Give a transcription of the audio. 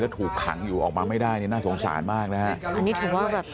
ถูกขังอยู่ออกมาไม่ได้เนี่ยน่าสงสารมากนะฮะอันนี้ถือว่าแบบ